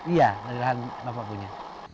iya dari lahan bapak punya